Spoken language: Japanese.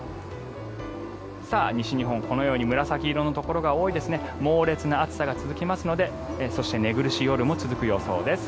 西日本、このように紫色のところが多いですので猛烈な暑さが続きますのでそして寝苦しい夜も続く予想です。